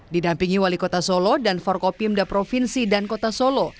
didampingi wali kota solo dan forkopimda provinsi dan kota solo